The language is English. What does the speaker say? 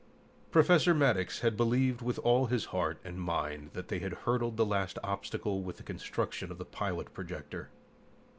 Professor Maddox had believed with all his heart and mind that they had hurdled the last obstacle with the construction of the pilot projector.